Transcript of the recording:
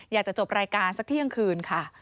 อยากจะจบรายการสักเที่ยงคืนค่ะ